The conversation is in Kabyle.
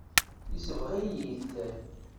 Yesbeɣ-iyi-t.